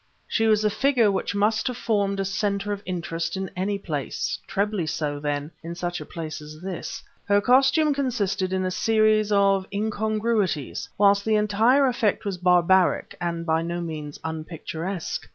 She was a figure which must have formed a center of interest in any place, trebly so, then, in such a place as this. Her costume consisted in a series of incongruities, whilst the entire effect was barbaric and by no means unpicturesque.